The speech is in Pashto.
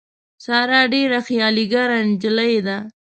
ساره ډېره خیالي ګره نجیلۍ ده.